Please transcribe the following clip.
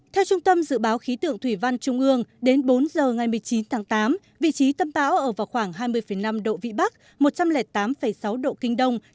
theo trung tâm dự báo khí tượng thủy văn trung ương đến bốn giờ ngày một mươi chín tháng tám vị trí tâm bão ở vào khoảng hai mươi năm độ vĩ bắc một trăm linh tám sáu độ kinh đông